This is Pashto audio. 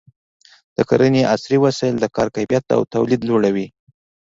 د کرنې عصري وسایل د کار کیفیت او تولید لوړوي.